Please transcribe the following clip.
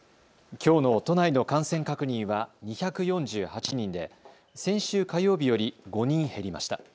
きょうの都内の感染確認は２４８人で先週火曜日より５人減りました。